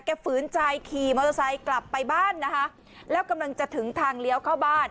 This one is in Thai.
ฝืนใจขี่มอเตอร์ไซค์กลับไปบ้านนะคะแล้วกำลังจะถึงทางเลี้ยวเข้าบ้าน